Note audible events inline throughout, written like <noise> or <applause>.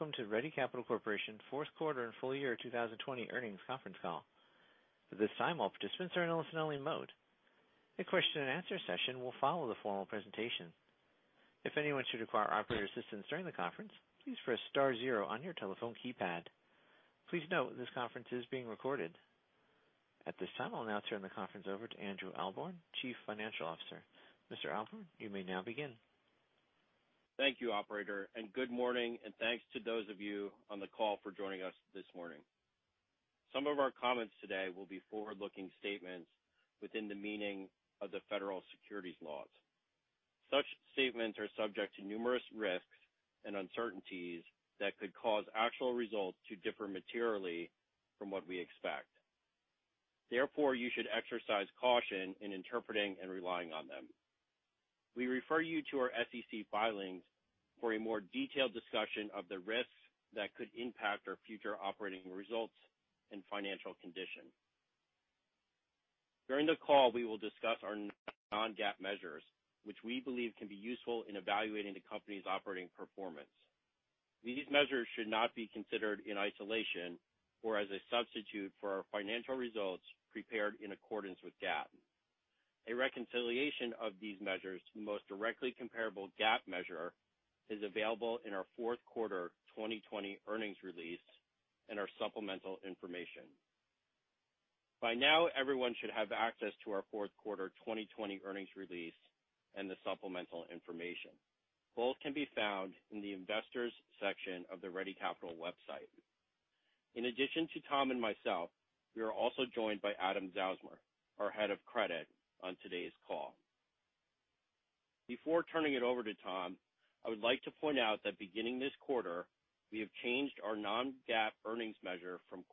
Greetings. Welcome to Ready Capital Corporation fourth quarter and full year 2020 earnings conference call. At this time, all participants are in a listen-only mode. The question-and-answer session will follow the formal presentation. If anyone should require operator assistance during the conference, please press star zero on your telephone keypad. Please note this conference is being recorded. At this time, I'll now turn the conference over to Andrew Ahlborn, Chief Financial Officer. Mr. Ahlborn, you may now begin. Thank you, operator and good morning, and thanks to those of you on the call for joining us this morning. Some of our comments today will be forward-looking statements within the meaning of the federal securities laws. Such statements are subject to numerous risks and uncertainties that could cause actual results to differ materially from what we expect. Therefore, you should exercise caution in interpreting and relying on them. We refer you to our SEC filings for a more detailed discussion of the risks that could impact our future operating results and financial condition. During the call, we will discuss our non-GAAP measures, which we believe can be useful in evaluating the company's operating performance. These measures should not be considered in isolation or as a substitute for our financial results prepared in accordance with GAAP. A reconciliation of these measures to the most directly comparable GAAP measure is available in our fourth quarter 2020 earnings release and our supplemental information. By now, everyone should have access to our fourth quarter 2020 earnings release and the supplemental information. Both can be found in the investors section of the Ready Capital website. In addition to Tom and myself, we are also joined by Adam Zausmer, our Head of Credit, on today's call. Before turning it over to Tom, I would like to point out that beginning this quarter, we have changed our non-GAAP earnings measure from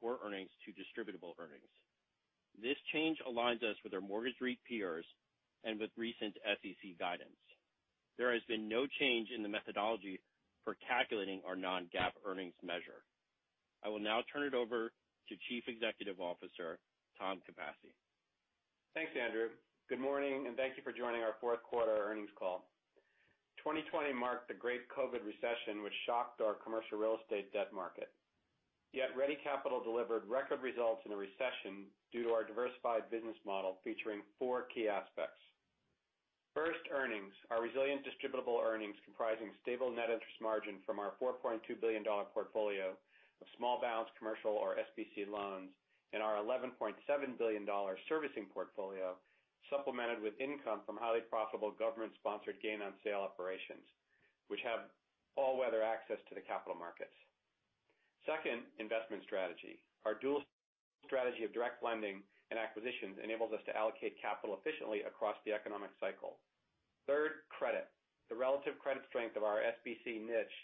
core earnings to distributable earnings. This change aligns us with our mortgage REIT peers and with recent SEC guidance. There has been no change in the methodology for calculating our non-GAAP earnings measure. I will now turn it over to Chief Executive Officer, Tom Capasse. Thanks, Andrew. Good morning and thank you for joining our fourth quarter earnings call. 2020 marked the great COVID recession, which shocked our commercial real estate debt market. Yet, Ready Capital delivered record results in the recession due to our diversified business model featuring four key aspects. First, earnings. Our resilient distributable earnings comprising stable net interest margin from our $4.2 billion portfolio of small balance commercial or SBC loans and our $11.7 billion servicing portfolio, supplemented with income from highly profitable government-sponsored gain-on-sale operations, which have all-weather access to the capital markets. Second, investment strategy. Our dual strategy of direct lending and acquisitions enables us to allocate capital efficiently across the economic cycle. Third, credit. The relative credit strength of our SBC niche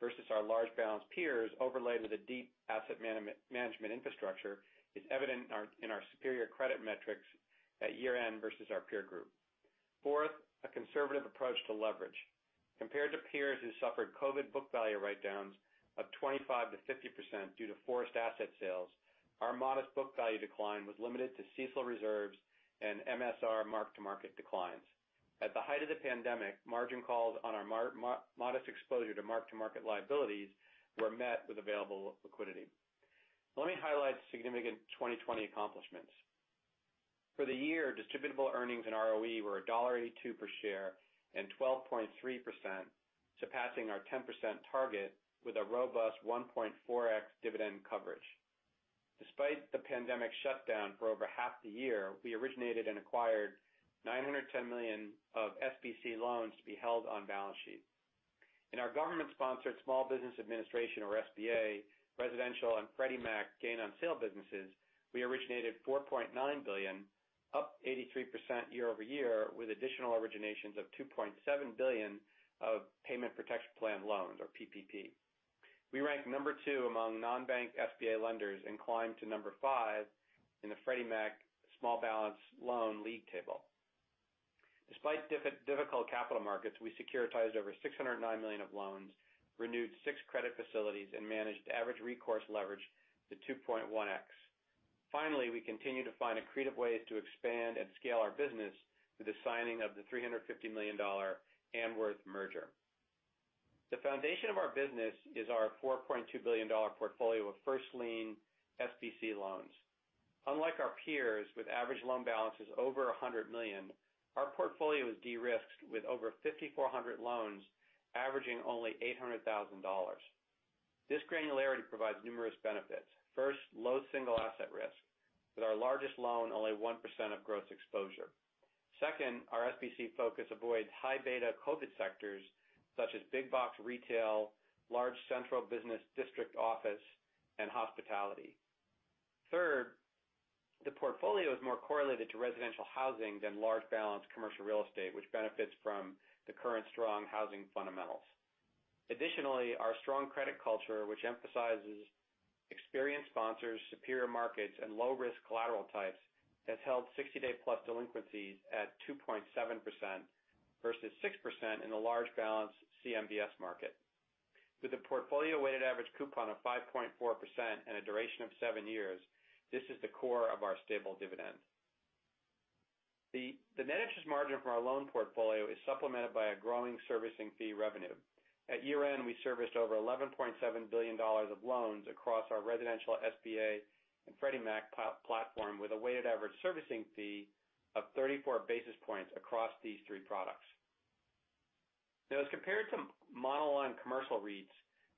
versus our large balance peers overlaid with a deep asset management infrastructure is evident in our superior credit metrics at year-end versus our peer group. Fourth, a conservative approach to leverage. Compared to peers who suffered COVID book value write-downs of 25%-50% due to forced asset sales, our modest book value decline was limited to CECL reserves and MSR mark-to-market declines. At the height of the pandemic, margin calls on our modest exposure to mark-to-market liabilities were met with available liquidity. Let me highlight significant 2020 accomplishments. For the year, distributable earnings and ROE were $1.82 per share and 12.3%, surpassing our 10% target with a robust 1.4x dividend coverage. Despite the pandemic shutdown for over half the year, we originated and acquired $910 million of SBC loans to be held on balance sheet. In our government-sponsored Small Business Administration or SBA, residential, and Freddie Mac gain-on-sale businesses, we originated $4.9 billion, up 83% year-over-year, with additional originations of $2.7 billion of Payment Protection Plan loans or PPP. We rank number two among non-bank SBA lenders and climb to number five in the Freddie Mac small balance loan league table. Despite difficult capital markets, we securitized over $609 million of loans, renewed six credit facilities, and managed average recourse leverage to 2.1x. Finally, we continue to find accretive ways to expand and scale our business with the signing of the $350 million Anworth merger. The foundation of our business is our $4.2 billion portfolio of first-lien SBC loans. Unlike our peers with average loan balances over $100 million, our portfolio is de-risked with over 5,400 loans averaging only $800,000. This granularity provides numerous benefits. First, low single-asset risk, with our largest loan only 1% of gross exposure. Second, our SBC focus avoids high-beta COVID sectors such as big box retail, large central business district office, and hospitality. Third, the portfolio is more correlated to residential housing than large balance commercial real estate, which benefits from the current strong housing fundamentals. Additionally, our strong credit culture, which emphasizes experienced sponsors, superior markets, and low-risk collateral types, has held 60-day-plus delinquencies at 2.7% versus 6% in the large balance CMBS market. With a portfolio weighted average coupon of 5.4% and a duration of seven years, this is the core of our stable dividend. The net interest margin from our loan portfolio is supplemented by a growing servicing fee revenue. At year-end, we serviced over $11.7 billion of loans across our residential SBA and Freddie Mac platform, with a weighted average servicing fee of 34 basis points across these three products. Now, as compared to monoline commercial REITs,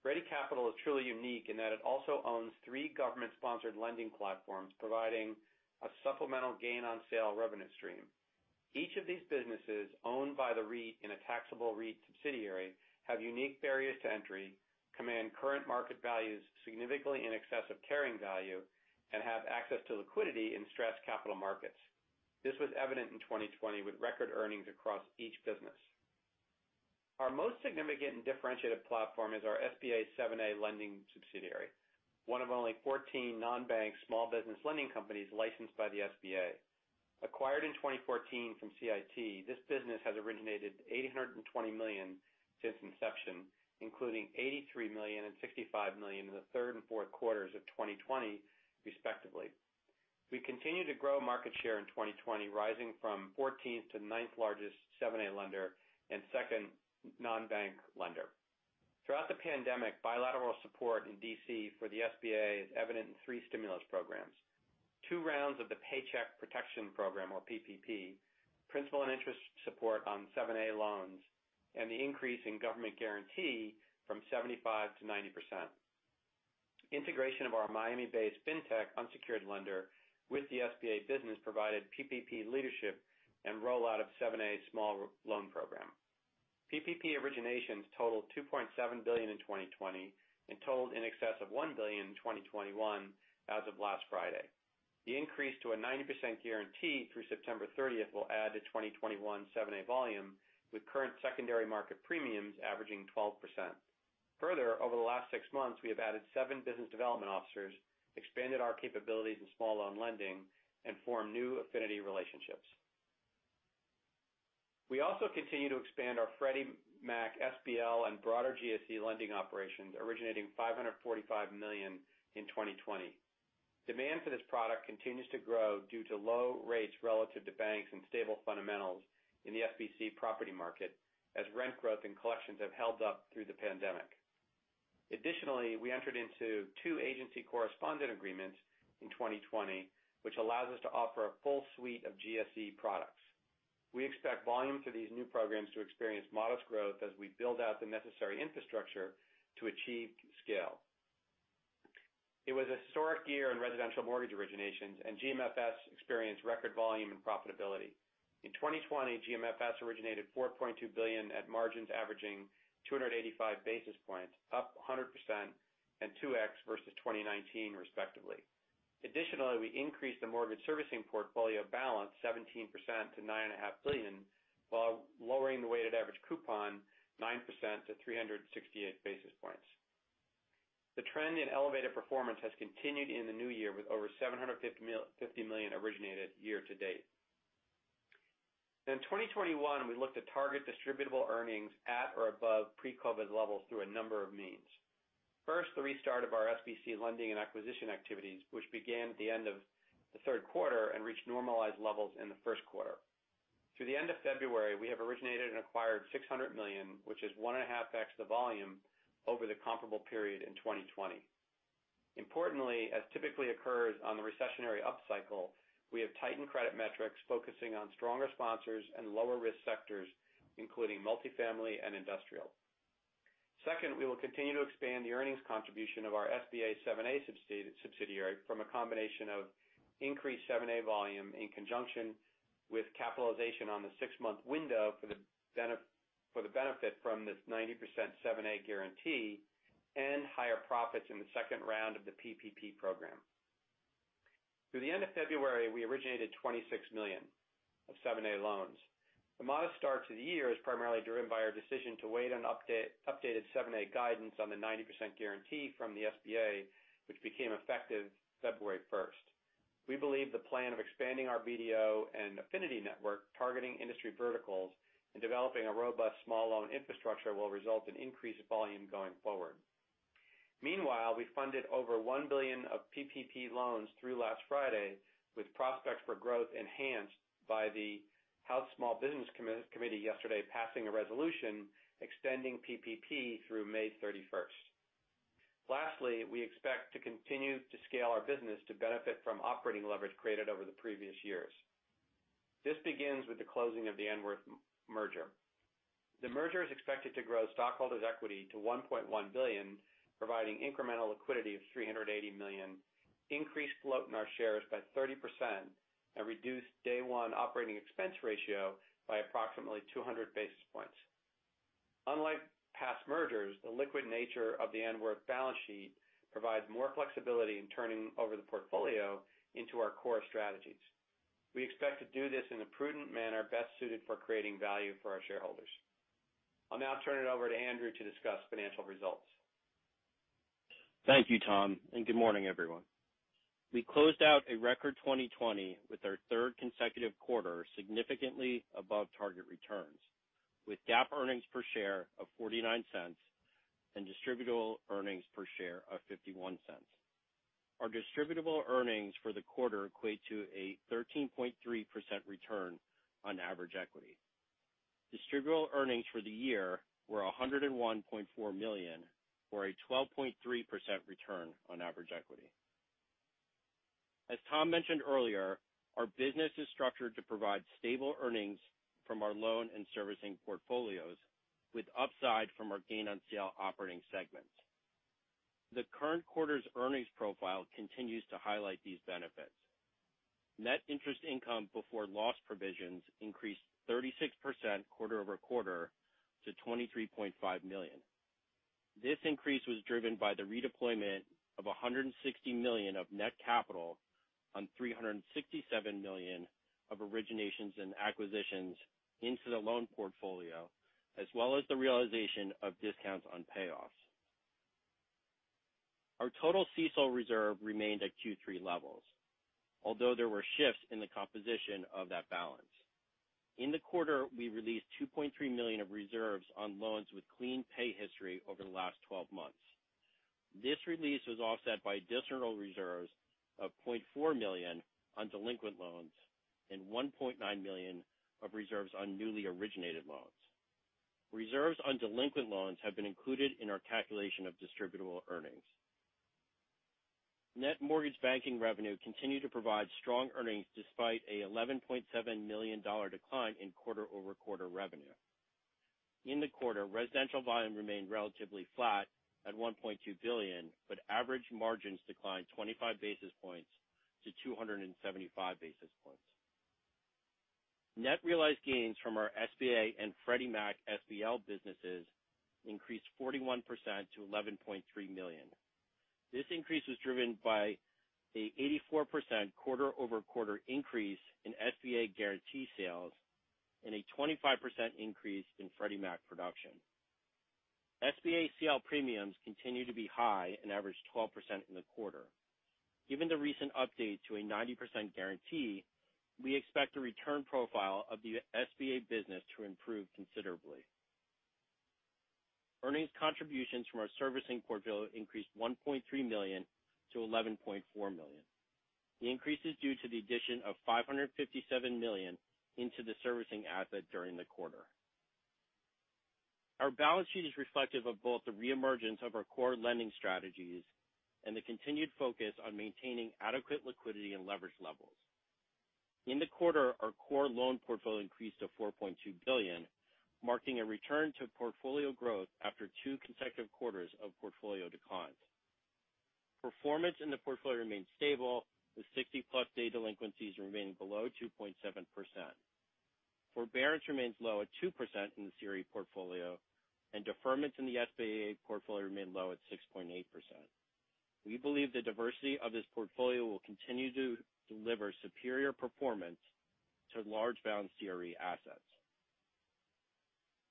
Ready Capital is truly unique in that it also owns three government-sponsored lending platforms, providing a supplemental gain-on-sale revenue stream. Each of these businesses, owned by the REIT in a taxable REIT subsidiary, have unique barriers to entry, command current market values significantly in excess of carrying value, and have access to liquidity in stress capital markets. This was evident in 2020 with record earnings across each business. Our most significant and differentiated platform is our SBA 7(a) lending subsidiary, one of only 14 non-bank small business lending companies licensed by the SBA. Acquired in 2014 from CIT, this business has originated $820 million since inception, including $83 million and $65 million in the third and fourth quarters of 2020, respectively. We continued to grow market share in 2020, rising from 14th to ninth largest 7(a) lender and second non-bank lender. Throughout the pandemic, bilateral support in D.C. for the SBA is evident in three stimulus programs. Two rounds of the Paycheck Protection Program, or PPP, principal and interest support on 7(a) loans, and the increase in government guarantee from 75% to 90%. Integration of our Miami-based fintech unsecured lender with the SBA business provided PPP leadership and rollout of 7(a) small loan program. PPP originations totaled $2.7 billion in 2020 and totaled in excess of $1 billion in 2021 as of last Friday. The increase to a 90% guarantee through September 30th will add to 2021 7(a) volume, with current secondary market premiums averaging 12%. Further, over the last six months, we have added seven business development officers, expanded our capabilities in small loan lending, and formed new affinity relationships. We also continue to expand our Freddie Mac SBL and broader GSE lending operations, originating $545 million in 2020. Demand for this product continues to grow due to low rates relative to banks and stable fundamentals in the SBC property market, as rent growth and collections have held up through the pandemic. Additionally, we entered into two agency correspondent agreements in 2020, which allows us to offer a full suite of GSE products. We expect volume through these new programs to experience modest growth as we build out the necessary infrastructure to achieve scale. It was a historic year in residential mortgage originations, and GMFS experienced record volume and profitability. In 2020, GMFS originated $4.2 billion at margins averaging 285 basis points, up 100% and 2x versus 2019, respectively. Additionally, we increased the mortgage servicing portfolio balance 17% to $9.5 billion, while lowering the weighted average coupon 9% to 368 basis points. The trend in elevated performance has continued in the new year, with over $750 million originated year-to-date. In 2021, we looked at target distributable earnings at or above pre-COVID levels through a number of means. First, the restart of our SBC lending and acquisition activities, which began at the end of the third quarter and reached normalized levels in the first quarter. Through the end of February, we have originated and acquired $600 million, which is 1.5x the volume over the comparable period in 2020. Importantly, as typically occurs on the recessionary upcycle, we have tightened credit metrics, focusing on stronger sponsors and lower-risk sectors, including multifamily and industrial. Second, we will continue to expand the earnings contribution of our SBA 7(a) subsidiary from a combination of increased 7(a) volume in conjunction with capitalization on the six-month window for the benefit from this 90% 7(a) guarantee and higher profits in the second round of the PPP program. Through the end of February, we originated $26 million of 7(a) loans. The modest start to the year is primarily driven by our decision to wait on updated 7(a) guidance on the 90% guarantee from the SBA, which became effective February 1st. We believe the plan of expanding our BDO and affinity network, targeting industry verticals, and developing a robust small loan infrastructure will result in increased volume going forward. Meanwhile, we funded over $1 billion of PPP loans through last Friday, with prospects for growth enhanced by the House Small Business Committee yesterday passing a resolution extending PPP through May 31st. Lastly, we expect to continue to scale our business to benefit from operating leverage created over the previous years. This begins with the closing of the Anworth merger. The merger is expected to grow stockholders' equity to $1.1 billion, providing incremental liquidity of $380 million, increase float in our shares by 30%, and reduce day one operating expense ratio by approximately 200 basis points. Unlike past mergers, the liquid nature of the Anworth balance sheet provides more flexibility in turning over the portfolio into our core strategies. We expect to do this in a prudent manner best suited for creating value for our shareholders. I'll now turn it over to Andrew to discuss financial results. Thank you, Tom, and good morning, everyone. We closed out a record 2020 with our third consecutive quarter, significantly above target returns, with GAAP earnings per share of $0.49 and distributable earnings per share of $0.51. Our distributable earnings for the quarter equate to a 13.3% return on average equity. Distributable earnings for the year were $101.4 million, or a 12.3% return on average equity. As Tom mentioned earlier, our business is structured to provide stable earnings from our loan and servicing portfolios, with upside from our gain-on-sale operating segments. The current quarter's earnings profile continues to highlight these benefits. Net interest income before loss provisions increased 36% quarter-over-quarter to $23.5 million. This increase was driven by the redeployment of $160 million of net capital on $367 million of originations and acquisitions into the loan portfolio, as well as the realization of discounts on payoffs. Our total CECL reserve remained at Q3 levels, although there were shifts in the composition of that balance. In the quarter, we released $2.3 million of reserves on loans with clean pay history over the last 12 months. This release was offset by additional reserves of $0.4 million on delinquent loans and $1.9 million of reserves on newly originated loans. Reserves on delinquent loans have been included in our calculation of distributable earnings. Net mortgage banking revenue continued to provide strong earnings despite an $11.7 million decline in quarter-over-quarter revenue. In the quarter, residential volume remained relatively flat at $1.2 billion, but average margins declined 25 basis points to 275 basis points. Net realized gains from our SBA and Freddie Mac SBL businesses increased 41% to $11.3 million. This increase was driven by an 84% quarter-over-quarter increase in SBA guarantee sales and a 25% increase in Freddie Mac production. SBA CL premiums continue to be high and averaged 12% in the quarter. Given the recent update to a 90% guarantee, we expect the return profile of the SBA business to improve considerably. Earnings contributions from our servicing portfolio increased $1.3 million to $11.4 million. The increase is due to the addition of $557 million into the servicing asset during the quarter. Our balance sheet is reflective of both the reemergence of our core lending strategies and the continued focus on maintaining adequate liquidity and leverage levels. In the quarter, our core loan portfolio increased to $4.2 billion, marking a return to portfolio growth after two consecutive quarters of portfolio declines. Performance in the portfolio remained stable, with 60+ day delinquencies remaining below 2.7%. Forbearance remains low at 2% in the CRE portfolio, and deferments in the SBA portfolio remain low at 6.8%. We believe the diversity of this portfolio will continue to deliver superior performance to large balance CRE assets.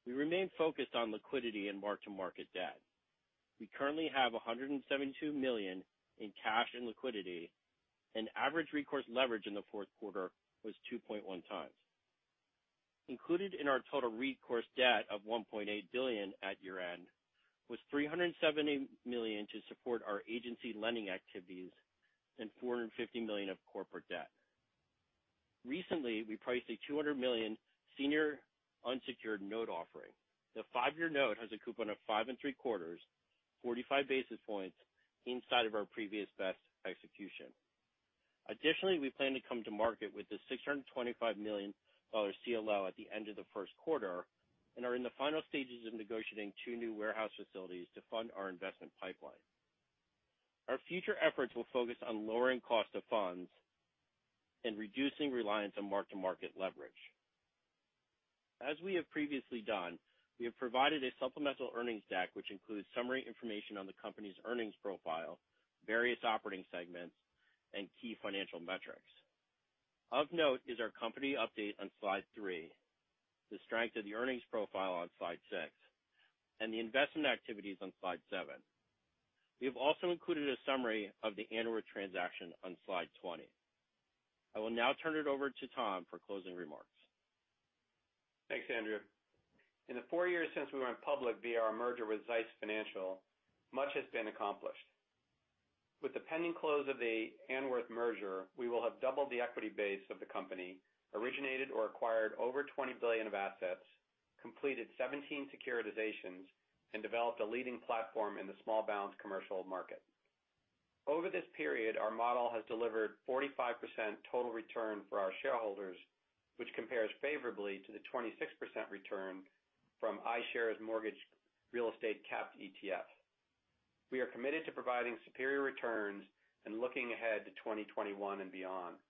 We remain focused on liquidity and mark-to-market debt. We currently have $172 million in cash and liquidity, and average recourse leverage in the fourth quarter was 2.1x. Included in our total recourse debt of $1.8 billion at year-end was $370 million to support our agency lending activities and $450 million of corporate debt. Recently, we priced a $200 million senior unsecured note offering. The five-year note has a coupon of 5.75%, 45 basis points inside of our previous best execution. Additionally, we plan to come to market with the $625 million CLO at the end of the first quarter and are in the final stages of negotiating two new warehouse facilities to fund our investment pipeline. Our future efforts will focus on lowering cost of funds and reducing reliance on mark-to-market leverage. As we have previously done, we have provided a supplemental earnings deck, which includes summary information on the company's earnings profile, various operating segments, and key financial metrics. Of note is our company update on slide three, the strength of the earnings profile on slide six, and the investment activities on slide seven. We have also included a summary of the Anworth transaction on slide 20. I will now turn it over to Tom for closing remarks. Thanks, Andrew. In the four years since we went public via our merger with ZAIS Financial, much has been accomplished. With the pending close of the Anworth merger, we will have doubled the equity base of the company, originated or acquired over $20 billion of assets, completed 17 securitizations, and developed a leading platform in the small balance commercial market. Over this period, our model has delivered 45% total return for our shareholders, which compares favorably to the 26% return from iShares Mortgage Real Estate Capped ETF. We are committed to providing superior returns and looking ahead to 2021 and beyond,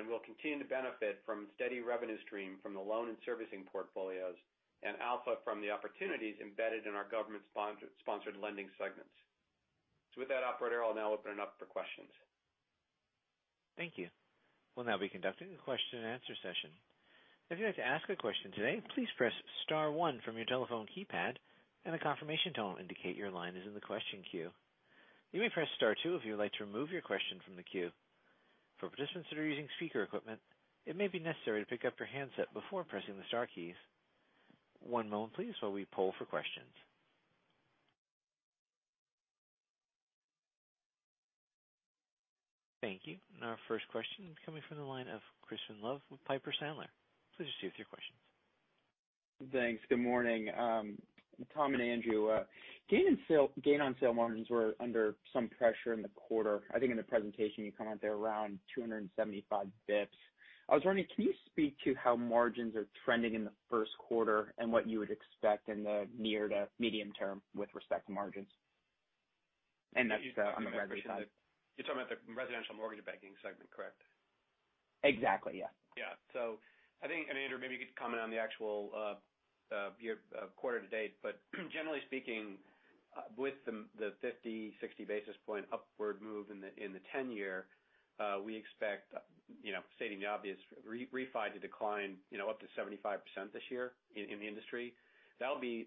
and we'll continue to benefit from steady revenue stream from the loan and servicing portfolios and alpha from the opportunities embedded in our government-sponsored lending segments. With that, operator, I'll now open it up for questions. Thank you. We'll now be conducting a question-and-answer session. If you'd like to ask a question today, please press star one from your telephone keypad, and a confirmation tone will indicate your line is in the question queue. You may press star two if you would like to remove your question from the queue. For participants that are using speaker equipment, it may be necessary to pick up your handset before pressing the star keys. One moment please, while we poll for questions. Thank you. And our first question is coming from the line of Crispin Love with Piper Sandler. Please proceed with your questions. Thanks. Good morning. Tom and Andrew, gain-on-sale margins were under some pressure in the quarter. I think in the presentation you comment they're around 275 basis points. I was wondering, can you speak to how margins are trending in the first quarter and what you would expect in the near to medium term with respect to margins? And that's on the residential side. You're talking about the residential mortgage banking segment, correct? Exactly, yeah. Yeah. I think, and Andrew, maybe you could comment on the actual year, quarter-to-date, but generally speaking, with the 50-, 60-basis-point upward move in the 10-year, we expect, stating the obvious, refi to decline up to 75% this year in the industry. That'll be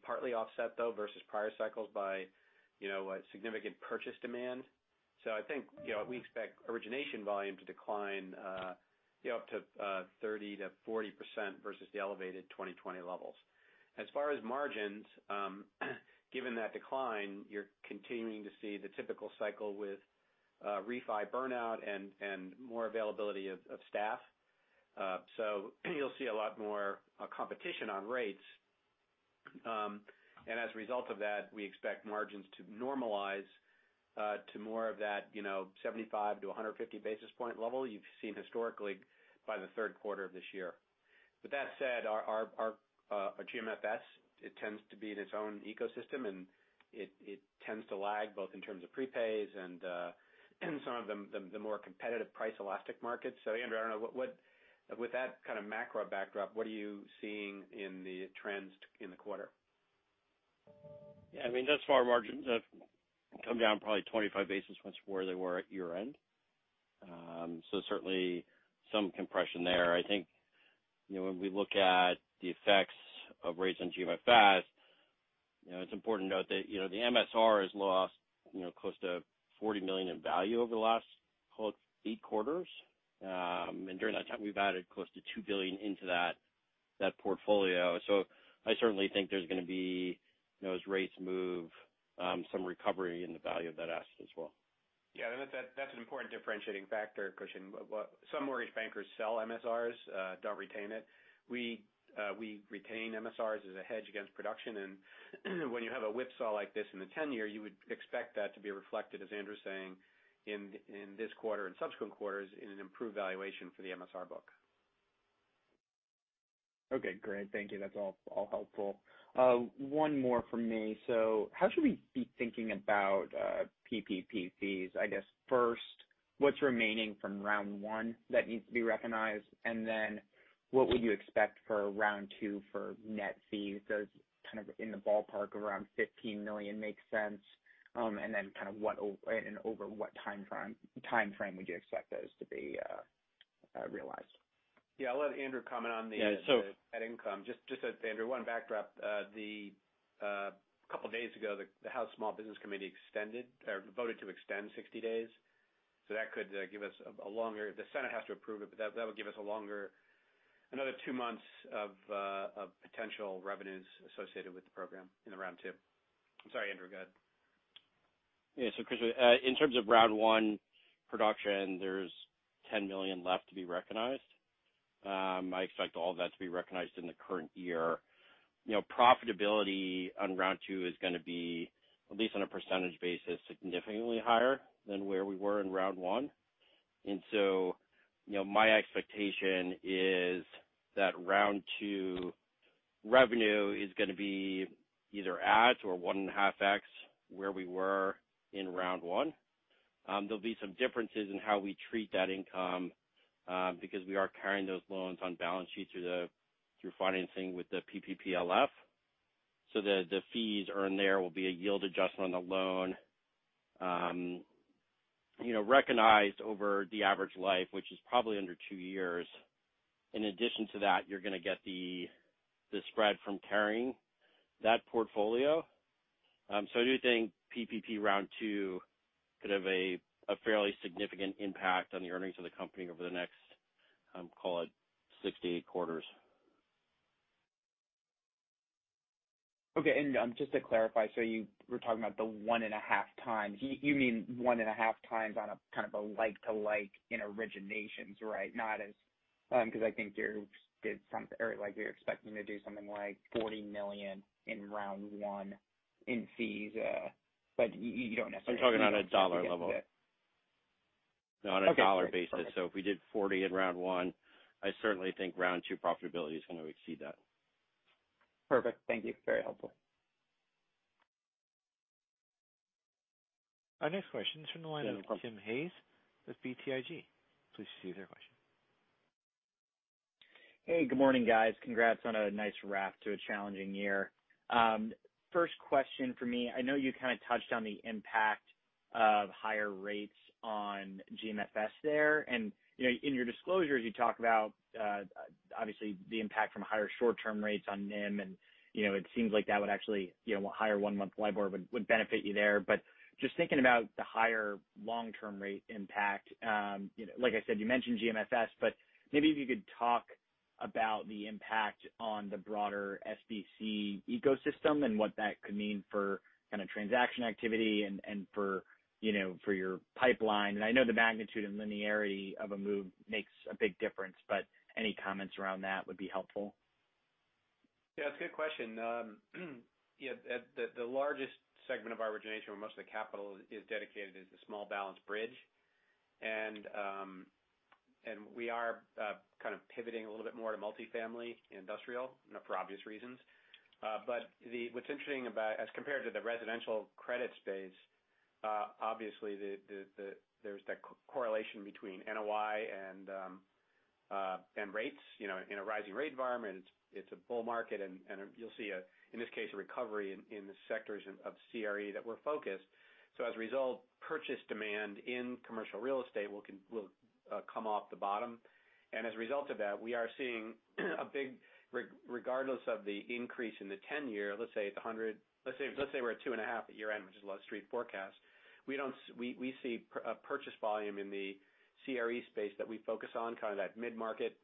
partly offset though versus prior cycles by significant purchase demand. I think we expect origination volume to decline up to 30%-40% versus the elevated 2020 levels. As far as margins, given that decline, you're continuing to see the typical cycle with refi burnout and more availability of staff. You'll see a lot more competition on rates. As a result of that, we expect margins to normalize to more of that 75-150 basis point level you've seen historically by the third quarter of this year. With that said, our GMFS, it tends to be in its own ecosystem, and it tends to lag both in terms of prepays and some of the more competitive price elastic markets. Andrew, I don't know, with that kind of macro backdrop, what are you seeing in the trends in the quarter? Yeah. I mean, thus far, margins have come down probably 25 basis points from where they were at year-end. So, certainly, some compression there. I think when we look at the effects of rates on GMFS, it's important to note that the MSR has lost close to $40 million in value over the last, call it, eight quarters. And during that time, we've added close to $2 billion into that portfolio. So, I certainly think there's going to be, as rates move, some recovery in the value of that asset as well. Yeah, that's an important differentiating factor, Crispin. Some mortgage bankers sell MSRs, don't retain it. We retain MSRs as a hedge against production, and when you have a whipsaw like this in the 10-year, you would expect that to be reflected, as Andrew's saying, in this quarter and subsequent quarters in an improved valuation for the MSR book. Okay, great. Thank you. That's all helpful. One more from me. How should we be thinking about PPP fees? I guess first, what's remaining from round one that needs to be recognized, and then what would you expect for round two for net fees? Does kind of in the ballpark around $15 million make sense? And kind of over what timeframe would you expect those to be realized? Yeah, I'll let Andrew comment on the net income. Just as Andrew, one backdrop, a couple of days ago, the House Small Business Committee extended, voted to extend 60 days. So, that could give us a longer, the Senate has to approve it, but that would give us a longer, another two months of potential revenues associated with the program in the round two. I'm sorry, Andrew. Go ahead. Yeah. Crispin, in terms of round one production, there's $10 million left to be recognized. I expect all that to be recognized in the current year. Profitability on round two is going to be, at least on a percentage basis, significantly higher than where we were in round one. My expectation is that round two revenue is going to be either at or 1.5x where we were in round one. There'll be some differences in how we treat that income because we are carrying those loans on balance sheet through financing with the PPPLF. The fees earned there will be a yield adjustment on the loan recognized over the average life, which is probably under two years. In addition to that, you're going to get the spread from carrying that portfolio. I do think PPP round two could have a fairly significant impact on the earnings of the company over the next, call it, six to eight quarters. Okay. Just to clarify, so you were talking about the 1.5x. You mean 1.5x on a kind of a like-to-like in originations, right? Not as, because I think you're expecting to do something like $40 million in round one in fees. But you don't necessarily. I'm talking on a dollar level. Okay. On a dollar basis, so if we did $40 million in round one, I certainly think round two profitability is going to exceed that. Perfect. Thank you. Very helpful. Our next question is from the line of Tim Hayes with BTIG. Please proceed with your question. Hey, good morning, guys. Congrats on a nice wrap to a challenging year. First question for me, I know you kind of touched on the impact of higher rates on GMFS there, and in your disclosures you talk about, obviously, the impact from higher short-term rates on NIM, and it seems like that would actually, a higher one-month LIBOR would benefit you there. But just thinking about the higher long-term rate impact, like I said, you mentioned GMFS, but maybe if you could talk about the impact on the broader SBC ecosystem and what that could mean for transaction activity and for your pipeline. I know the magnitude and linearity of a move makes a big difference, but any comments around that would be helpful. Yeah. It's a good question. Yeah. The largest segment of our origination, where most of the capital is dedicated, is the small balance bridge. And we are kind of pivoting a little bit more to multifamily industrial, for obvious reasons. But the, what's interesting about, as compared to the residential credit space, obviously, there's that correlation between NOI and rates. In a rising rate environment, it's a bull market, and you'll see, in this case, a recovery in the sectors of CRE that we're focused. As a result, purchase demand in commercial real estate will come off the bottom. As a result of that, we are seeing a big, regardless of the increase in the 10-year, let's say, the 100, let's say, we're at two and a half at year-end, which is the Wall Street forecast, we see a purchase volume in the CRE space that we focus on, kind of that mid-market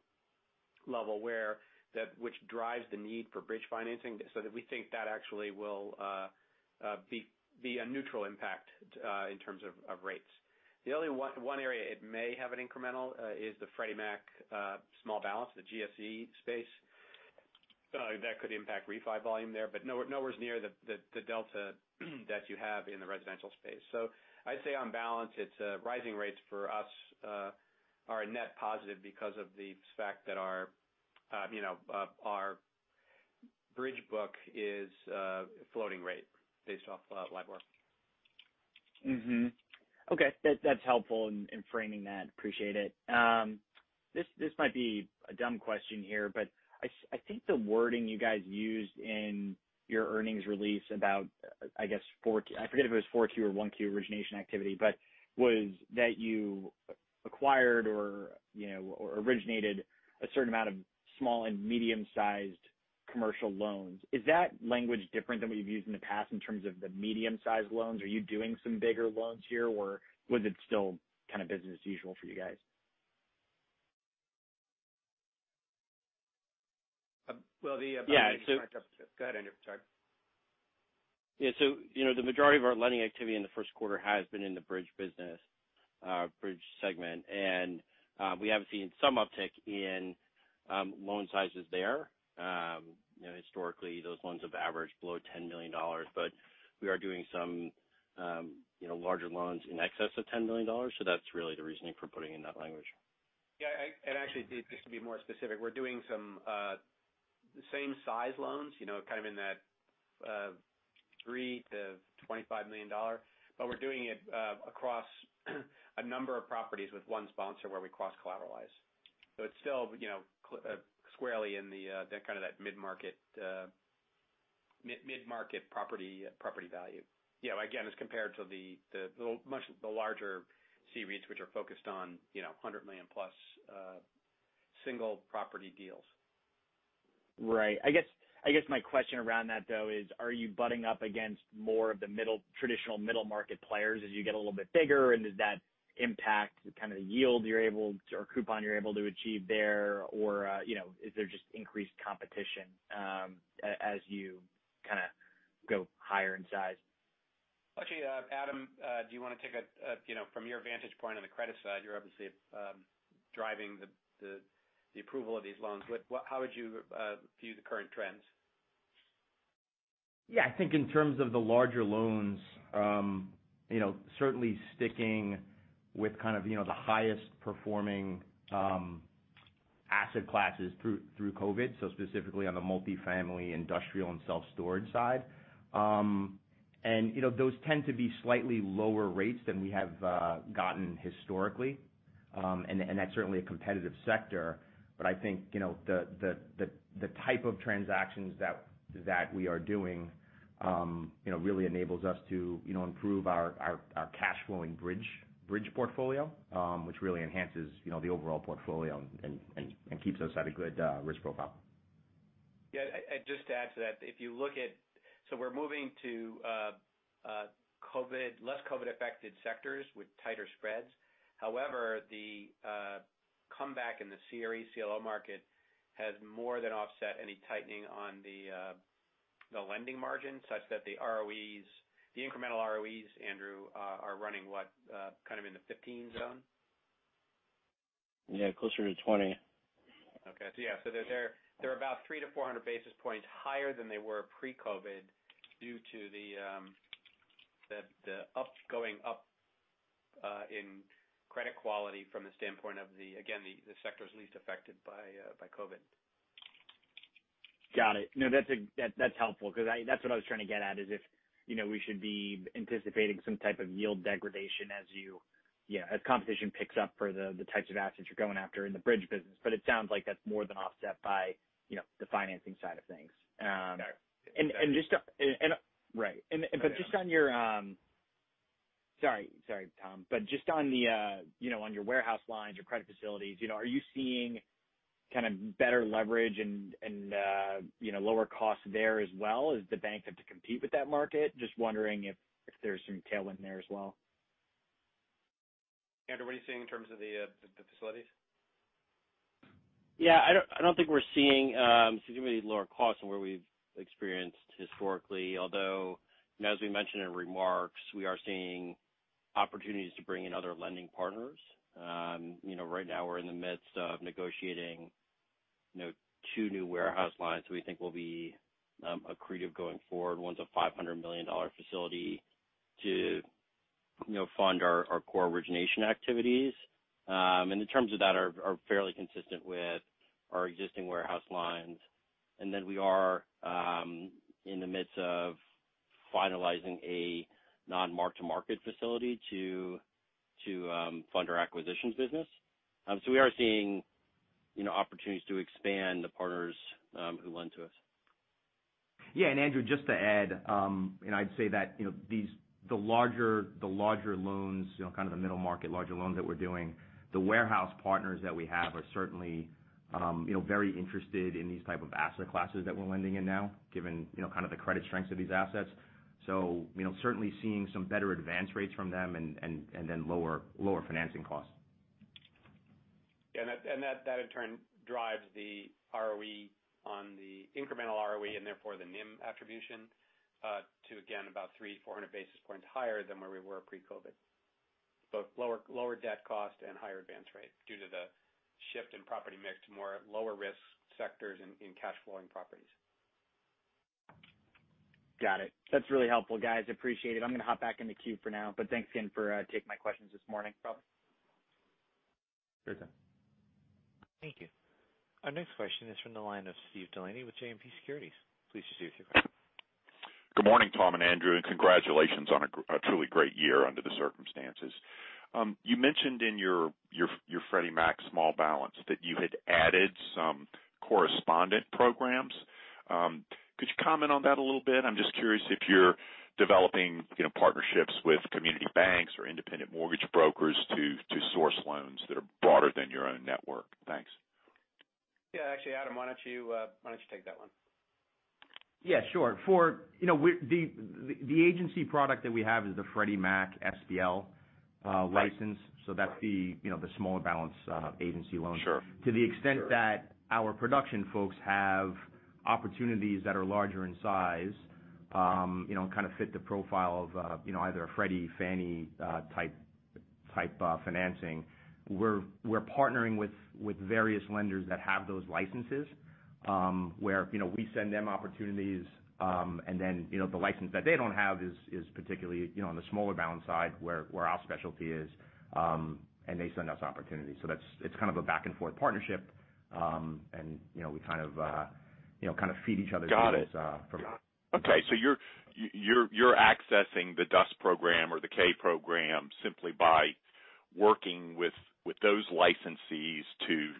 level where that, which drives the need for bridge financing, so that we think that actually will be a neutral impact in terms of rates. The only one area it may have an incremental is the Freddie Mac small balance, the GSE space. That could impact refi volume there but nowhere near the delta that you have in the residential space. So, I'd say on balance, its rising rates for us are a net positive because of the fact that our bridge book is floating rate based off LIBOR. Okay. That's helpful in framing that. Appreciate it. This might be a dumb question here, but I think the wording you guys used in your earnings release about, I guess, I forget if it was 4Q or 1Q origination activity, but was that you acquired or originated a certain amount of small and medium-sized commercial loans. Is that language different than what you've used in the past in terms of the medium-sized loans? Are you doing some bigger loans here, or was it still kind of business as usual for you guys? Well, the. <crosstalk> Yeah. Go ahead, Andrew. Sorry. Yeah. The majority of our lending activity in the first quarter has been in the bridge business, bridge segment. We have seen some uptick in loan sizes there. Historically, we are doing some larger loans in excess of $10 million, so that's really the reasoning for putting in that language. Yeah. Actually, just to be more specific, we're doing some same size loans, kind of in that $3 million-$25 million. But we're doing it across a number of properties with one sponsor where we cross-collateralize. It's still squarely in that kind of mid-market property value. Again, as compared to the much larger C-REITs, which are focused on $100 million+ single property deals. Right. I guess my question around that, though, is are you butting up against more of the traditional middle-market players as you get a little bit bigger, and does that impact kind of the yield you're able to, or coupon you're able to achieve there? Or is there just increased competition as you kind of go higher in size? Actually, Adam, do you want to take it from your vantage point on the credit side? You're, obviously, driving the approval of these loans. How would you view the current trends? Yeah. I think in terms of the larger loans, certainly sticking with kind of the highest performing asset classes through COVID, so specifically on the multifamily industrial and self-storage side. Those tend to be slightly lower rates than we have gotten historically. And that's certainly a competitive sector. I think the type of transactions that we are doing really enables us to improve our cash flowing bridge, bridge portfolio, which really enhances the overall portfolio and keeps us at a good risk profile. Yeah. Just to add to that, if we look at, so we're moving to less COVID-affected sectors with tighter spreads. However, the comeback in the CRE CLO market has more than offset any tightening on the lending margin, such that the ROEs, the incremental ROEs, Andrew, are running, what, kind of in the 15% zone? Yeah. Closer to 20%. Okay. Yeah. They're about 3-400 basis points higher than they were pre-COVID due to the going up in credit quality from the standpoint of the, again, the sectors least affected by COVID. Got it. No, that's helpful because that's what I was trying to get at is if we should be anticipating some type of yield degradation as competition picks up for the types of assets you're going after in the bridge business. But it sounds like that's more than offset by the financing side of things. Got it. Right. And just on your, sorry, Tom, just on your warehouse lines, your credit facilities, are you seeing kind of better leverage and lower cost there as well as the banks have to compete with that market? Just wondering if there's some tailwind there as well. Andrew, what are you seeing in terms of the facilities? Yeah. I don't think we're seeing significantly lower costs than where we've experienced historically. Although, as we mentioned in remarks, we are seeing opportunities to bring in other lending partners. Right now, we're in the midst of negotiating two new warehouse lines we think will be accretive going forward. One's a $500 million facility to fund our core origination activities. The terms of that are fairly consistent with our existing warehouse lines. And then, we are in the midst of finalizing a non-mark-to-market facility to fund our acquisitions business. We are seeing opportunities to expand the partners who lend to us. Andrew, just to add, and I'd say that the larger loans, kind of the middle market larger loans that we're doing, the warehouse partners that we have are certainly very interested in these type of asset classes that we're lending in now, given kind of the credit strengths of these assets. So, certainly, seeing some better advance rates from them and then lower financing costs. Yeah. That in turn drives the ROE on the incremental ROE and therefore the NIM attribution, to again, about 300-400 basis points higher than where we were pre-COVID, both lower debt cost and higher advance rate due to the shift in property mix to more lower risk sectors in cash flowing properties. Got it. That's really helpful, guys. Appreciate it. I'm going to hop back in the queue for now, but thanks again for taking my questions this morning. No problem. Sure thing. Thank you. Our next question is from the line of Steve DeLaney with JMP Securities. Please proceed with your question. Good morning, Tom and Andrew, and congratulations on a truly great year under the circumstances. You mentioned in your Freddie Mac small balance that you had added some correspondent programs. Could you comment on that a little bit? I'm just curious if you're developing partnerships with community banks or independent mortgage brokers to source loans that are broader than your own network. Thanks. Yeah. Actually, Adam, why don't you take that one? Yeah, sure. The agency product that we have is the Freddie Mac SBL license. That's the smaller balance agency loans. Sure. To the extent that our production folks have opportunities that are larger in size, kind of fit the profile of either a Freddie, Fannie type financing. We're partnering with various lenders that have those licenses, where we send them opportunities, and then the license that they don't have is particularly on the smaller balance side, where our specialty is, and they send us opportunities. It's kind of a back-and-forth partnership. We kind of feed each other's. Got it. Needs from that. Okay. So, you're accessing the DUS program or the K program simply by working with those licensees to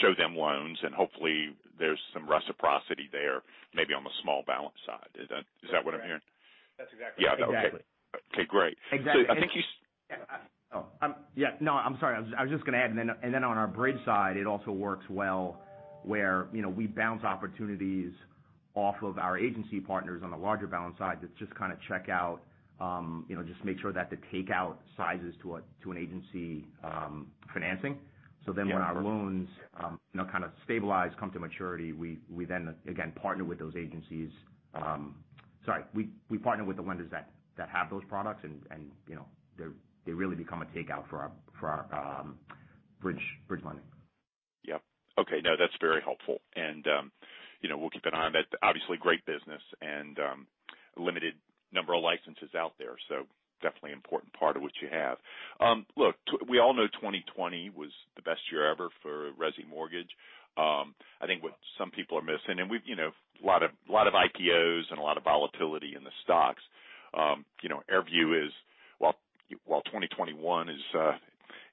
show them loans and hopefully, there's some reciprocity there, maybe on the small balance side. Is that what I'm hearing? That's exactly it. Yeah. Exactly. Okay, great. Exactly. I think you. Yeah. No, I'm sorry. I was just going to add, and then on our bridge side, it also works well where we bounce opportunities off of our agency partners on the larger balance side to just kind of check out, just make sure that the takeout size is to an agency financing. Yeah. So, when our loans kind of stabilize, come to maturity, we then again, partner with those agencies. Sorry, we partner with the lenders that have those products, and they really become a takeout for our bridge lending. Yep. Okay. No, that's very helpful. We'll keep an eye on that. Obviously, great business and a limited number of licenses out there, so definitely, important part of what you have. Look, we all know 2020 was the best year ever for resi mortgage. I think what some people are missing, and a lot of IPOs and a lot of volatility in the stocks, our view is while 2021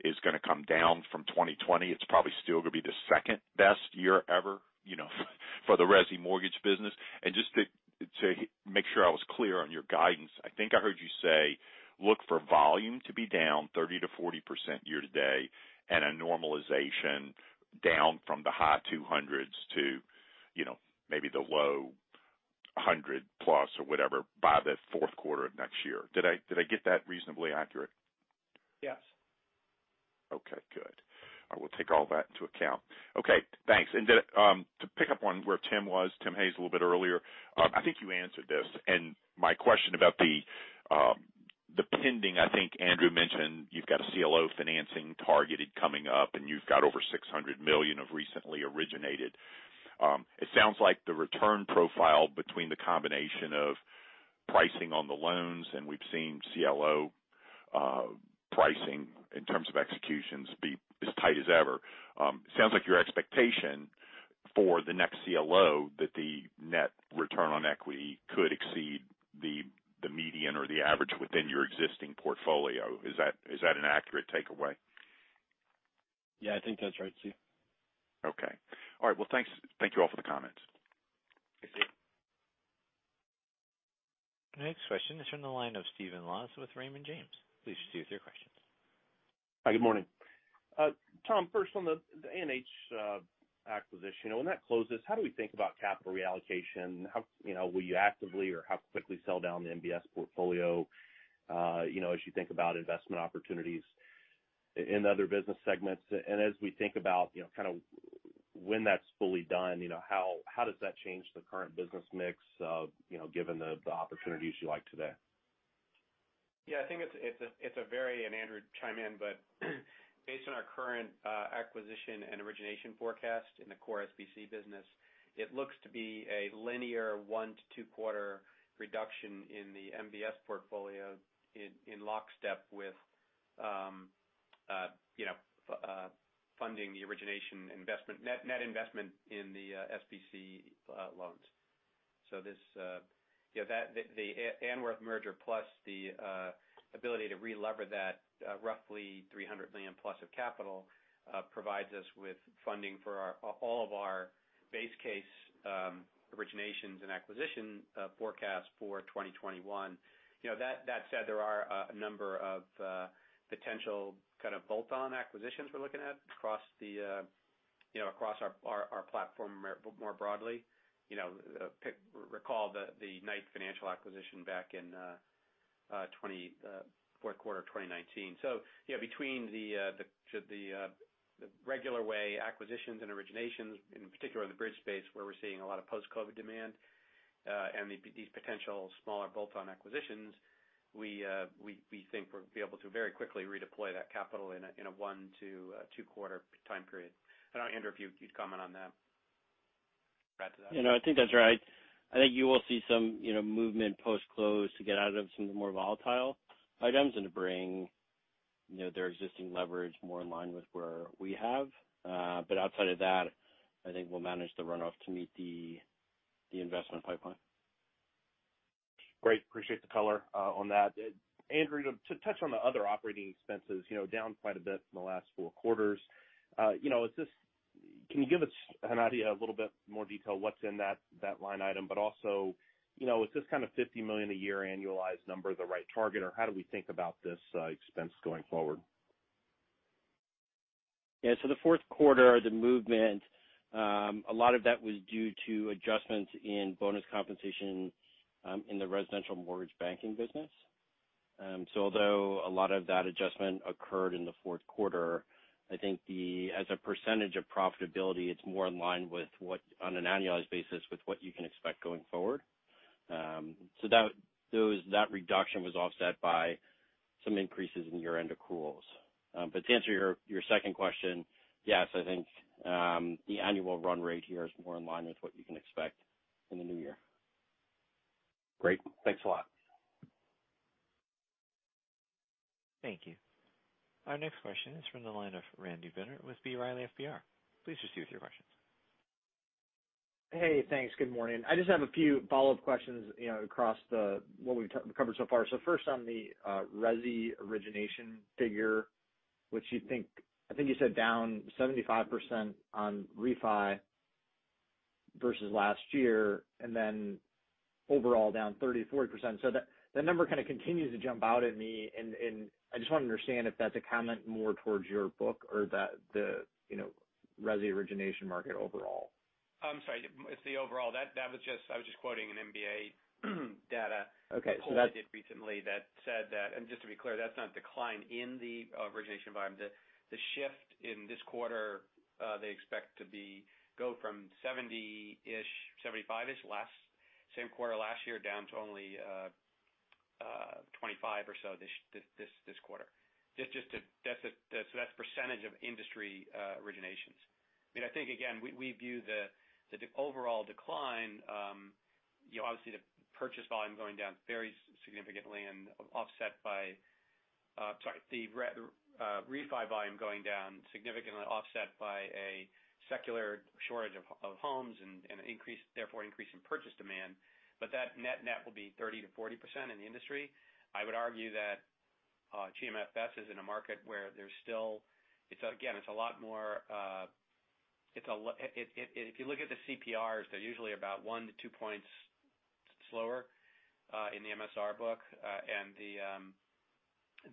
is going to come down from 2020, it's probably still going to be the second-best year ever for the resi mortgage business. Just to make sure I was clear on your guidance, I think I heard you say, look for volume to be down 30%-40% year-to-date, and a normalization down from the high 200s to maybe the low 100+ or whatever by the fourth quarter of next year. Did I get that reasonably accurate? Yes. Okay, good. I will take all that into account. Okay, thanks. And to pick up on where Tim was, Tim Hayes a little bit earlier, I think you answered this, and my question about the pending, I think Andrew mentioned, you've got a CLO financing targeted coming up, and you've got over $600 million of recently originated. It sounds like the return profile between the combination of pricing on the loans, and we've seen CLO pricing in terms of executions be as tight as ever. Sounds like your expectation for the next CLO, that the net return on equity could exceed the median or the average within your existing portfolio. Is that an accurate takeaway? Yeah, I think that's right, Steve. Okay. All right. Well, thanks, thank you all for the comments. Sure, Steve. Our next question is from the line of Stephen Laws with Raymond James. Please proceed with your questions. Hi, good morning. Tom, first on the ANH acquisition. When that closes, how do we think about capital reallocation? Will you actively or how quickly sell down the MBS portfolio as you think about investment opportunities in other business segments? As we think about when that's fully done, how does that change the current business mix given the opportunities you like today? Yeah. I think it's a very, and Andrew, chime in, but based on our current acquisition and origination forecast in the core SBC business, it looks to be a linear one to two-quarter reduction in the MBS portfolio in lockstep with funding the origination net investment in the SBC loans. The Anworth merger plus the ability to relever that roughly $300 million+ of capital provides us with funding for all of our base case originations and acquisition forecasts for 2021. That said, there are a number of potential kind of bolt-on acquisitions we're looking at across our platform more broadly. Recall the Knight Financial acquisition back in fourth quarter of 2019. So, between the regular way acquisitions and originations, in particular the bridge space where we're seeing a lot of post-COVID demand, and these potential smaller bolt-on acquisitions, we think we'll be able to very quickly redeploy that capital in a one to two-quarter time period. I don't know, Andrew, if you'd comment on that. Add to that. I think that's right. I think you will see some movement post-close to get out of some of the more volatile items and to bring their existing leverage more in line with where we have. Outside of that, I think we'll manage the runoff to meet the investment pipeline. Great. Appreciate the color on that. Andrew, to touch on the other operating expenses, down quite a bit from the last four quarters, can you give us an idea, a little bit more detail what's in that line item, but also is this kind of $50 million a year annualized number the right target, or how do we think about this expense going forward? Yeah. So, the fourth quarter, the movement, a lot of that was due to adjustments in bonus compensation in the residential mortgage banking business. Although a lot of that adjustment occurred in the fourth quarter, I think as a percentage of profitability, it's more in line with, on an annualized basis, with what you can expect going forward. That reduction was offset by some increases in year-end accruals. But to answer your second question, yes, I think the annual run rate here is more in line with what you can expect in the new year. Great. Thanks a lot. Thank you. Our next question is from the line of Randy Binner with B. Riley FBR. Please proceed with your questions. Hey, thanks. Good morning. I just have a few follow-up questions across what we've covered so far. First on the resi origination figure, which I think you said down 75% on refi versus last year, and then overall down 30%-40%. That number kind of continues to jump out at me, and I just want to understand if that's a comment more towards your book or the resi origination market overall. I'm sorry. It's the overall. I was just quoting an MBA data. Okay. That's. A poll they did recently that said that. Just to be clear, that's not decline in the origination environment. The shift in this quarter they expect to be, go from 70%-ish, 75%-ish last, same quarter last year down to only 25% or so this quarter. That's percentage of industry originations. I think, again, we view the overall decline, obviously, the purchase volume going down very significantly and offset by, sorry, the refi volume going down significantly offset by a secular shortage of homes and increase, therefore, increase in purchase demand. But that net-net will be 30%-40% in the industry. I would argue that GMFS is in a market where there's still, again, it's a lot more, if you look at the CPRs, they're usually about 1-2 points slower in the MSR book, and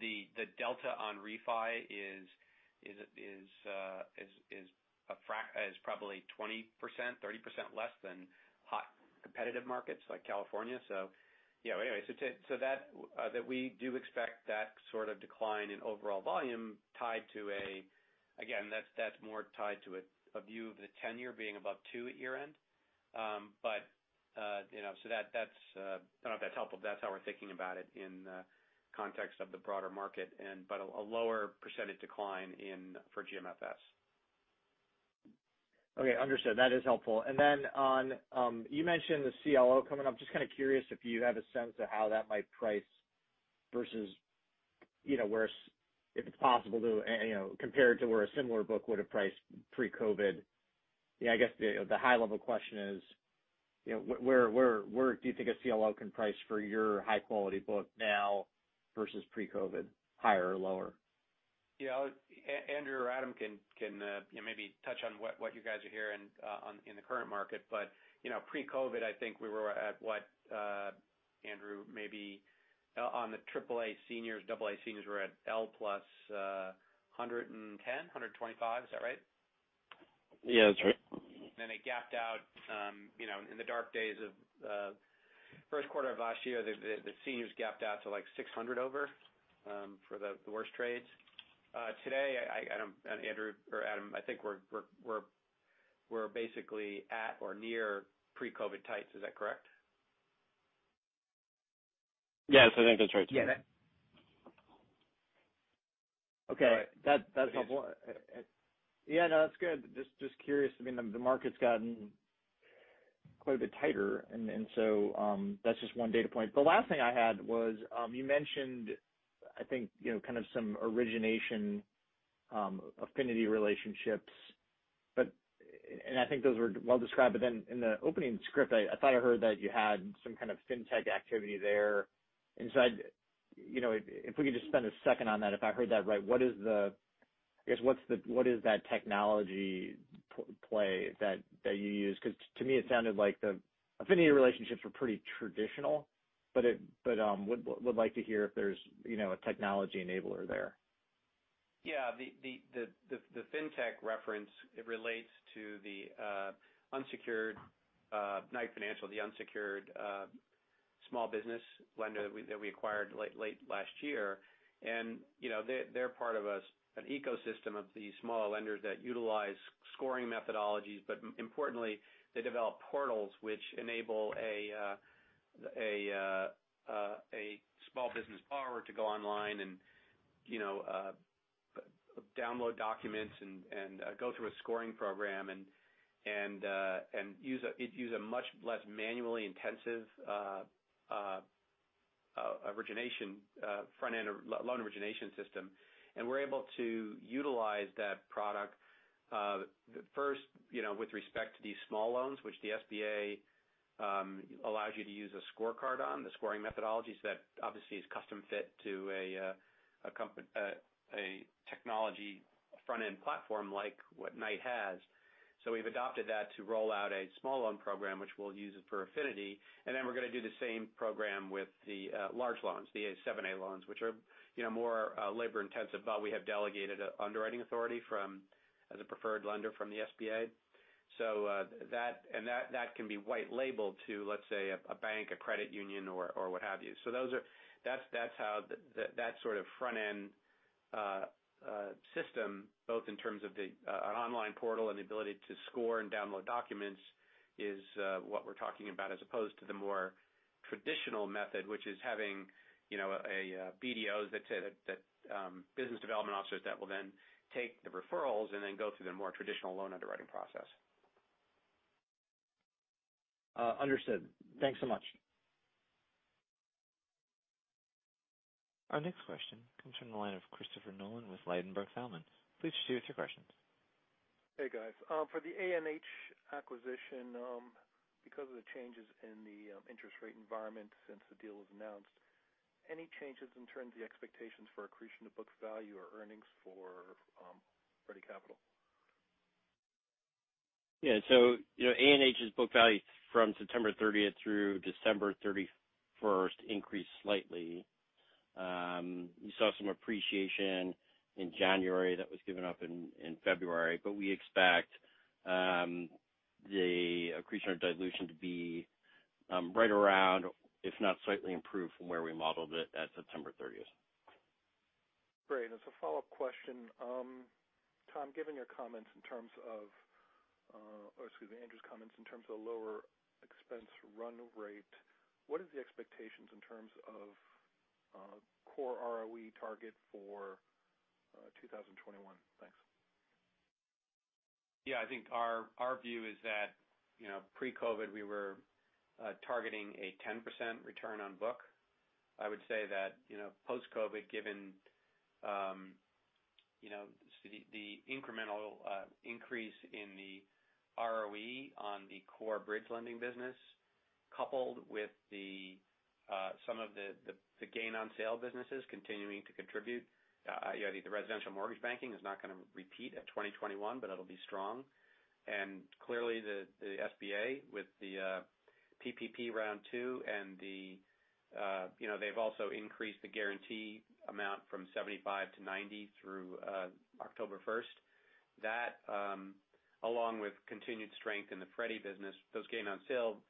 the delta on refi is probably 20%, 30% less than hot competitive markets like California. So, yeah, anyway, we do expect that sort of decline in overall volume tied to a, again, that's more tied to a view of the 10-year being above two at year-end. I don't know if that's helpful. That's how we're thinking about it in the context of the broader market and, but a lower percentage decline for GMFS. Okay. Understood. That is helpful. Then on, you mentioned the CLO coming up. Just kind of curious if you have a sense of how that might price versus where, if it's possible to compare it to where a similar book would have priced pre-COVID. I guess the high-level question is where do you think a CLO can price for your high-quality book now versus pre-COVID, higher or lower? Andrew or Adam can maybe touch on what you guys are hearing in the current market. But pre-COVID, I think we were at what Andrew, maybe on the AAA seniors, AA seniors, we're at L + 110, L + 125. Is that right? Yeah, that's right. They gapped out in the dark days of first quarter of last year. The seniors gapped out to like 600 over for the worst trades. Today, Andrew or Adam, I think we're basically at or near pre-COVID tights. Is that correct? Yes, I think that's right. Yeah. Okay. That's helpful. Yeah, no, that's good. Just curious. The market's gotten quite a bit tighter, and so, that's just one data point. The last thing I had was, you mentioned I think kind of some origination affinity relationships, and I think those were well-described, but then in the opening script, I thought I heard that you had some kind of fintech activity there. If we could just spend a second on that, if I heard that right. What is that technology play that you use? Because to me, it sounded like the affinity relationships were pretty traditional. Would like to hear if there's a technology enabler there. Yeah. The fintech reference, it relates to the unsecured, Knight Financial, the unsecured small business lender that we acquired late last year. They're part of an ecosystem of the small lenders that utilize scoring methodologies, but importantly, they develop portals which enable a small business borrower to go online and download documents and go through a scoring program and use a much less manually intensive front-end loan origination system. We're able to utilize that product first with respect to these small loans, which the SBA allows you to use a scorecard on, the scoring methodologies that obviously is custom fit to a technology front-end platform like what Knight has. We've adopted that to roll out a small loan program, which we'll use it for affinity, and then we're going to do the same program with the large loans, the 7(a) loans, which are more labor-intensive, but we have delegated underwriting authority from, as a preferred lender from the SBA. So that, and that can be white labeled to, let's say, a bank, a credit union, or what have you. So, that sort of front-end system, both in terms of the online portal and the ability to score and download documents is what we're talking about, as opposed to the more traditional method, which is having BDOs, business development officers, that will then take the referrals and then go through the more traditional loan underwriting process. Understood. Thanks so much. Our next question comes from the line of Christopher Nolan with Ladenburg Thalmann. Please share us your questions. Hey, guys. For the ANH acquisition, because of the changes in the interest rate environment since the deal was announced, any changes in terms of the expectations for accretion to book value or earnings for Ready Capital? Yeah. So, ANH's book value from September 30th through December 31st increased slightly. You saw some appreciation in January that was given up in February, but we expect the accretion or dilution to be right around, if not slightly improved from where we modeled it at September 30th. Great. As a follow-up question, Tom, given your comments in terms of, or excuse me, Andrew's comments, in terms of the lower expense run rate, what is the expectations in terms of core ROE target for 2021? Thanks. Yeah. I think our view is that pre-COVID, we were targeting a 10% return on book. I would say that post-COVID, given the incremental increase in the ROE on the core bridge lending business, coupled with some of the gain-on-sale businesses continuing to contribute, the residential mortgage banking is not going to repeat at 2021, but it'll be strong. Clearly, the SBA with the PPP round two, and the, you know, they've also increased the guarantee amount from 75% to 90% through October 1st, that, along with continued strength in the Freddie business, those gain-on-sale,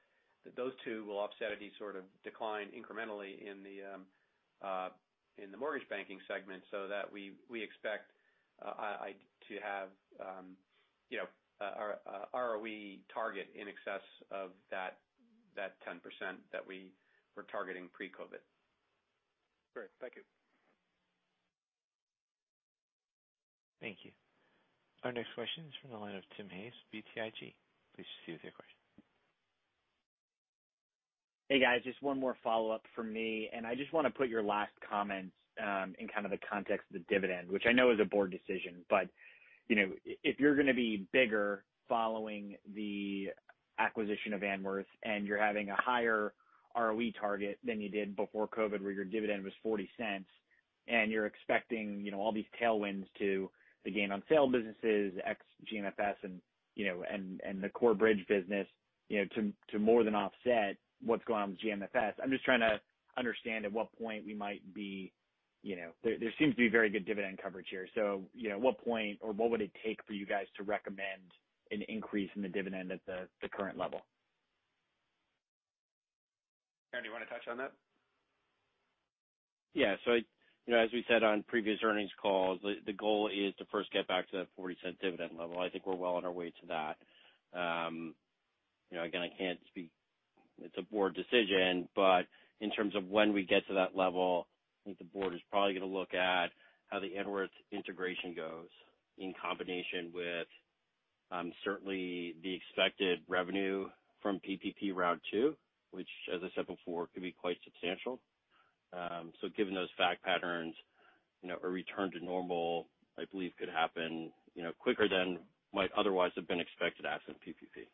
those two will offset any sort of decline incrementally in the mortgage banking segment, so that we expect to have our ROE target in excess of that 10% that we were targeting pre-COVID. Great. Thank you. Thank you. Our next question is from the line of Tim Hayes, BTIG. Please proceed with your question. Hey, guys. Just one more follow-up from me. I just want to put your last comments in kind of the context of the dividend, which I know is a board decision, but if you're going to be bigger following the acquisition of Anworth and you're having a higher ROE target than you did before COVID, where your dividend was $0.40, and you're expecting all these tailwinds to the gain-on-sale businesses, ex-GMFS, and the core bridge business to more than offset what's going on with GMFS, I'm just trying to understand at what point we might be, there seems to be very good dividend coverage here, so at what point or what would it take for you guys to recommend an increase in the dividend at the current level? Andrew, you want to touch on that? Yeah. As we said on previous earnings calls, the goal is to first get back to that $0.40 dividend level. I think we're well on our way to that. Again, it's a board decision, but in terms of when we get to that level, I think the board is probably going to look at how the Anworth integration goes in combination with, certainly, the expected revenue from PPP round two, which, as I said before, could be quite substantial. So, given those fact patterns, a return to normal, I believe, could happen quicker than might otherwise have been expected absent PPP.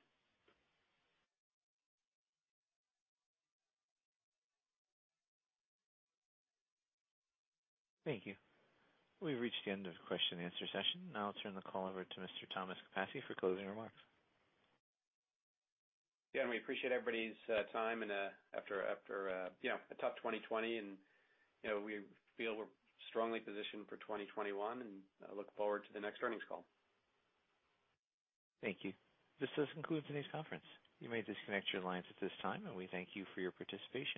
Thank you. We've reached the end of the question-and-answer session. Now, I'll turn the call over to Mr. Thomas Capasse for closing remarks. Yeah, we appreciate everybody's time after a tough 2020. We feel we're strongly positioned for 2021, and I look forward to the next earnings call. Thank you. This does conclude today's conference. You may disconnect your lines at this time, and we thank you for your participation.